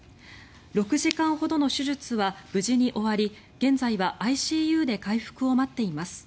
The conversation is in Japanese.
６時間ほどの手術は無事に終わり現在はＩＣＵで回復を待っています。